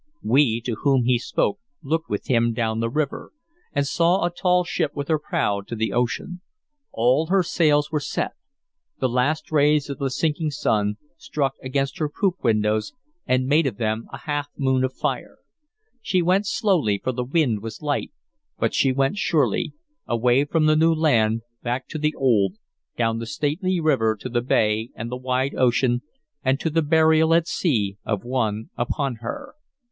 We to whom he spoke looked with him down the river, and saw a tall ship with her prow to the ocean. All her sails were set; the last rays of the sinking sun struck against her poop windows and made of them a half moon of fire. She went slowly, for the wind was light, but she went surely, away from the new land back to the old, down the stately river to the bay and the wide ocean, and to the burial at sea of one upon her.